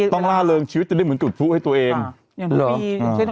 ต้องล่าเริงชีวิตจะได้เหมือนจุดฟู้ให้ตัวเองค่ะหรืออย่างทุกปีอย่างเช่น